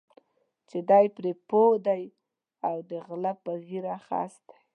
چې دی پرې پوه دی او د غله په ږیره خس دی.